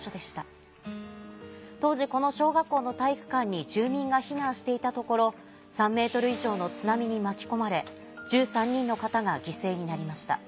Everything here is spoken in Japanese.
当時この小学校の体育館に住民が避難していたところ３ｍ以上の津波に巻き込まれ１３人の方が犠牲になりました。